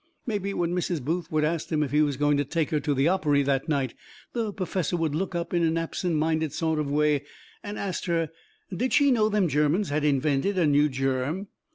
Mebby when Mrs. Booth would ast him if he was going to take her to the opery that night the perfessor would look up in an absent minded sort of way and ast her did she know them Germans had invented a new germ?